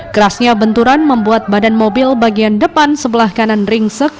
kerasnya benturan membuat badan mobil bagian depan sebelah kanan ringsek